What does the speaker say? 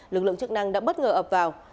lực lượng chức năng đã bất ngờ ập vào